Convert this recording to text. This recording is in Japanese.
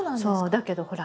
だけどほら